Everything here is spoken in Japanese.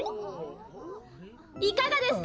いかがですか？